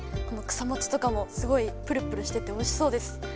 この草もちとかもすごいプルプルしてておいしそうです！